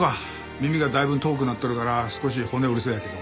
耳がだいぶ遠くなっとるから少し骨折れそうやけど。